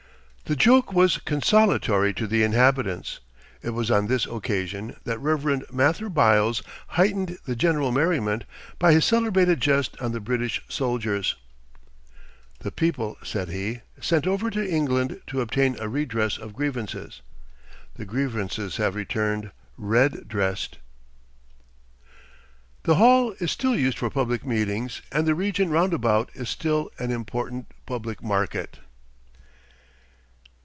The joke was consolatory to the inhabitants. It was on this occasion that Rev. Mather Byles heightened the general merriment by his celebrated jest on the British soldiers: "The people," said he, "sent over to England to obtain a redress of grievances. The grievances have returned red dressed." The Hall is still used for public meetings, and the region roundabout is still an important public market.